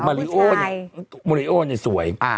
ริโอเนี่ยมาริโอเนี่ยสวย